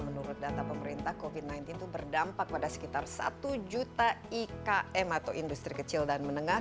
menurut data pemerintah covid sembilan belas itu berdampak pada sekitar satu juta ikm atau industri kecil dan menengah